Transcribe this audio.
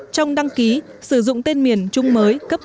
trong đăng ký sử dụng tên miền chung mới cấp cao